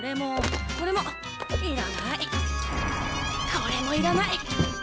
これもいらない。